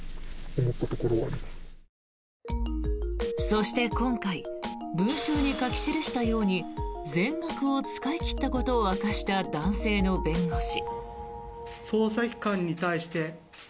そして、今回文集に書き記したように全額を使い切ったことを明かした男性の弁護士。